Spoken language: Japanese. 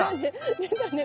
出たね。